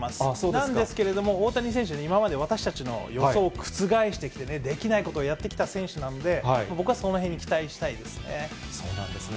なんですけれども、大谷選手、今まで私たちの予想を覆してきて、できないことをやってきた選手なので、そうなんですね。